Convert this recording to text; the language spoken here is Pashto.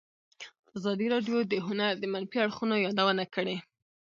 ازادي راډیو د هنر د منفي اړخونو یادونه کړې.